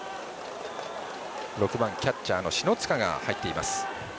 ６番・キャッチャーの篠塚が入っています。